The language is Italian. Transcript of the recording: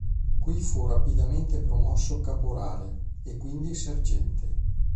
Qui fu rapidamente promosso caporale e quindi sergente.